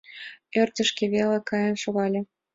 Ӧрдыжкӧ веле каен шогале.